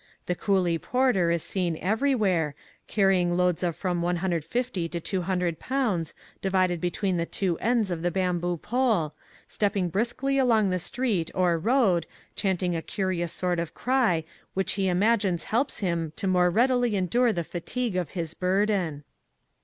The coolie porter is seen every where, carrying loads of from 150 to 200 pounds, divided between the two ends of the bamboo pole, stepping briskly along the street or road, chanting a curious sort of cry, which he imagines helps him to more readily endure the fatigue of his burden.